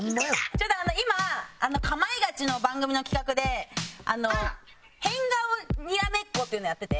ちょっと今『かまいガチ』の番組の企画で変顔にらめっこっていうのをやってて。